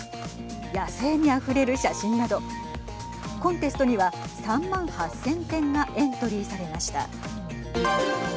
野性味あふれる写真などコンテストには３万８０００点がエントリーされました。